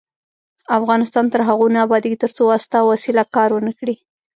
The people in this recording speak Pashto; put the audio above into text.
افغانستان تر هغو نه ابادیږي، ترڅو واسطه او وسیله کار ونه کړي.